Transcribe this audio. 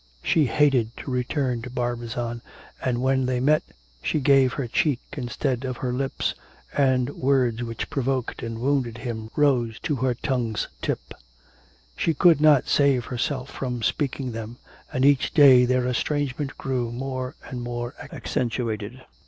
She hated to return to Barbizon, and when they met, she gave her cheek instead of her lips, and words which provoked and wounded him rose to her tongue's tip; she could not save herself from speaking them, and each day their estrangement grew more and more accentuated.